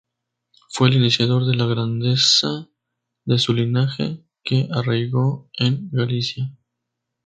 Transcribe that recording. Fue el iniciador de la grandeza de su linaje, que arraigó en Galicia.